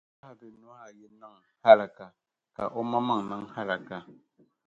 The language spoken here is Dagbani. Abu Lahibi nuhi ayi niŋ hallaka, ka o mammaŋ’ niŋ hallaka.